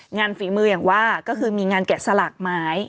ฝีมืออย่างว่าก็คือมีงานแกะสลักไม้